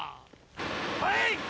はい！